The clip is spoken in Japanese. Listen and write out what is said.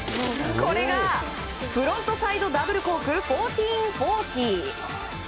フロントサイドダブルコーク１４４０！